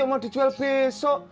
mau dijual besok